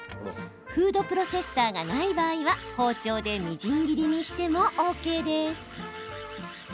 フードプロセッサーがない場合は包丁でみじん切りにしてもＯＫです。